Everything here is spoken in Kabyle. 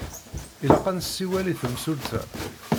Ilaq ad nsiwel i temsulta.